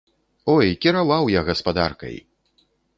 Ой, кіраваў я гаспадаркай!